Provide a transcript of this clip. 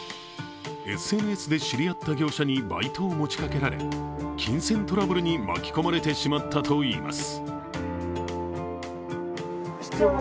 ＳＮＳで知り合った業者にバイトを持ちかけられ、金銭トラブルに巻き込まれてしまったといいます。